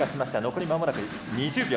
残りまもなく２０秒。